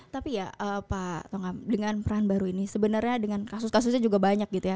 tapi ya pak tongam dengan peran baru ini sebenarnya dengan kasus kasusnya juga banyak gitu ya